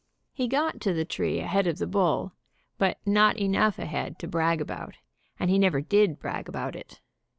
He got to the tree ahead of the bull, but not enough ahead to brag about, and he never did brag about it.